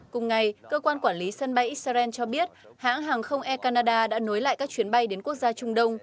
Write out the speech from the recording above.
cùng ngày cơ quan quản lý sân bay israel cho biết hãng hàng không air canada đã nối lại các chuyến bay đến quốc gia trung đông